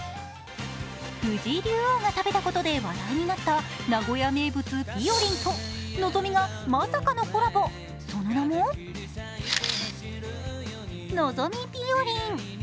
藤井竜王が食べたことで話題になった名古屋名物ぴよりんとのぞみがまさかのコラボ、その名ものぞみぴよりん。